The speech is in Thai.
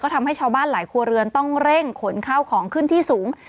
ทำให้ชาวบ้านหลายครัวเรือนต้องเร่งขนข้าวของขึ้นที่สูง